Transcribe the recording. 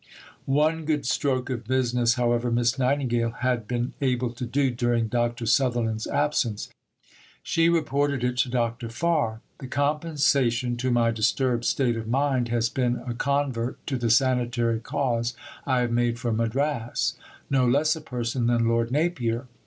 One good stroke of business, however, Miss Nightingale had been able to do during Dr. Sutherland's absence. She reported it to Dr. Farr: "The compensation to my disturbed state of mind has been a convert to the sanitary cause I have made for Madras no less a person than Lord Napier.